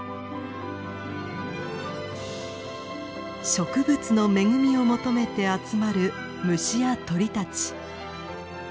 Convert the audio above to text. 植物の恵みを求めて集まる虫や鳥たち。